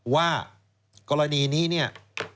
ว่ากรณีนี้เนี่ย